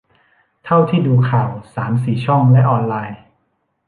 เท่าที่ดูข่าวสามสี่ช่องและออนไลน์